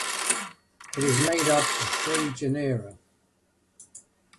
It is made up of three genera.